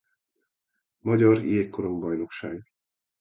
Magyar jégkorongbajnokság